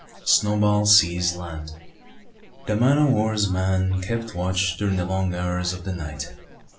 SNOWBALL SEES LAND. The man o' war's man kept watch during the long hours of the night.